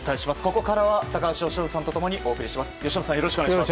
ここからは高橋由伸さんと共にお送りします。